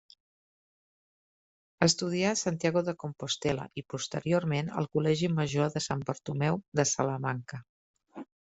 Estudià a Santiago de Compostel·la i posteriorment al Col·legi Major de Sant Bartomeu, de Salamanca.